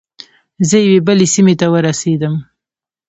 زه یوې بلې سیمې ته ورسیدم.